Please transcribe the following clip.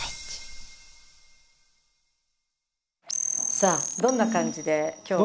さあどんな感じで今日は。